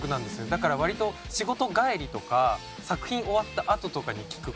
だから割と仕事帰りとか作品終わったあととかに聴く事が多いです。